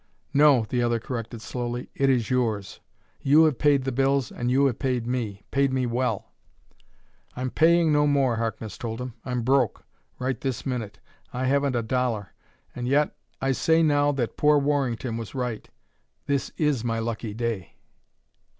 "No," the other corrected slowly, "it is yours. You have paid the bills and you have paid me. Paid me well." "I'm paying no more," Harkness told him. "I'm broke, right this minute. I haven't a dollar and yet I say now that poor Warrington was right: this is my lucky day."